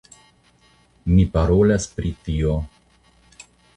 Ni parolas pri tio.